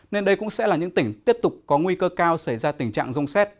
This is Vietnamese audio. nên đây cũng sẽ là những tỉnh tiếp tục có nguy cơ cao xảy ra tình trạng rông xét